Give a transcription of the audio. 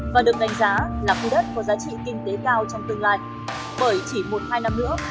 và được đánh giá là khu đất có giá trị kinh tế cao trong tương lai bởi chỉ một hai năm nữa